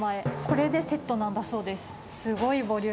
これでセットなんだそうです。